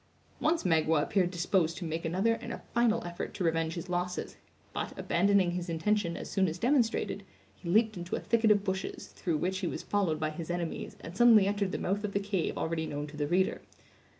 Once Magua appeared disposed to make another and a final effort to revenge his losses; but, abandoning his intention as soon as demonstrated, he leaped into a thicket of bushes, through which he was followed by his enemies, and suddenly entered the mouth of the cave already known to the reader.